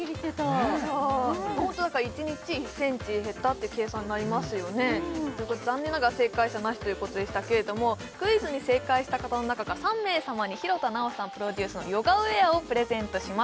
ホントだから一日１センチ減ったって計算になりますよね残念ながら正解者なしということでしたけれどもクイズに正解した方の中から３名様に廣田なおさんプロデュースのヨガウエアをプレゼントします